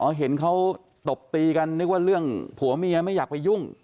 เห็นเขาตบตีกันนึกว่าเรื่องผัวเมียไม่อยากไปยุ่ง